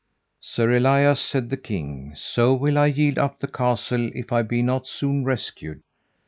Sir Elias, said the king, so will I yield up the castle if I be not soon rescued.